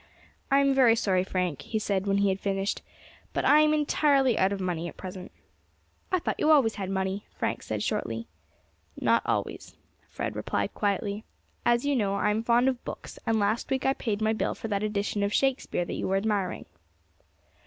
"I am very sorry, Frank," he said when he had finished, "but I am entirely out of money at present." "I thought you always had money," Frank said shortly. "Not always," Fred replied quietly. "As you know, I am fond of books, and last week I paid my bill for that edition of Shakespeare that you were admiring."